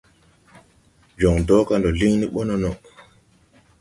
Jɔŋ dɔga ndɔ liŋ ni ɓɔ nono.